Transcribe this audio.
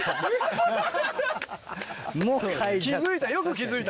気付いた。